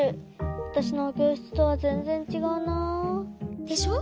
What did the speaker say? わたしのきょうしつとはぜんぜんちがうな。でしょ？